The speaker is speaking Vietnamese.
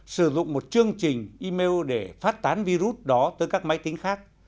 sử dụng một chương trình email để phát tán virus đó tới các máy tính khác